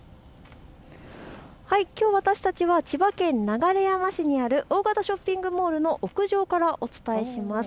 きょうは私たちは千葉県流山市にある大型ショッピングモールの屋上からお伝えします。